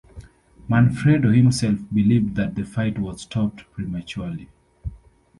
Manfredo himself believed that the fight was stopped prematurely.